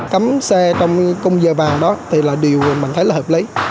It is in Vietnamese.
cấm xe trong cung giờ vàng đó thì là điều mình thấy là hợp lý